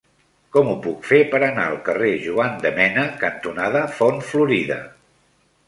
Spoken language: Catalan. Com ho puc fer per anar al carrer Juan de Mena cantonada Font Florida?